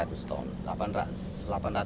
itu satu lubang kalau panen bagus tidak gagal di sini